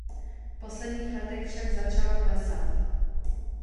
V posledních letech však začal klesat.